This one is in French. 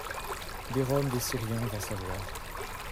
Des Roms, des Syriens, va savoir.